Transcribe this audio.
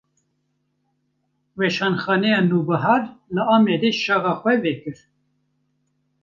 Weşanxaneya Nûbihar, li Amedê şaxa xwe vekir